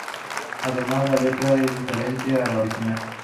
Además la letra es diferente a la original.